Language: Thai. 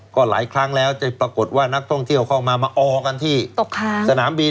ก็หลายครั้งแล้วจะปรากฏว่านักท่องเที่ยวเข้ามามาออกันที่ตกค้างสนามบิน